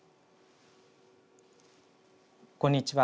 こんにちは。